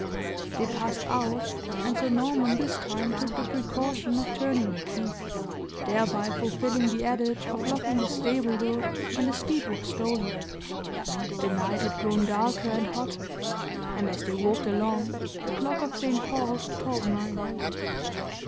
They passed out, and Sir Norman this time took the precaution of turning the key, thereby fulfilling the adage of locking the stable door when the steed was stolen. The night had grown darker and hotter; and as they walked along, the clock of St. Paul's tolled nine.